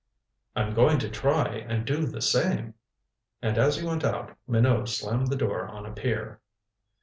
"I'm going to try and do the same." And as he went out, Minot slammed the door on a peer.